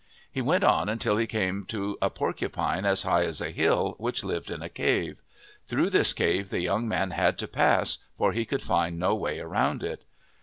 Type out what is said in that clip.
He went on until he came to a porcupine as high as a hill, which lived in a cave. Through this cave the young man had to pass for he could find no way around it.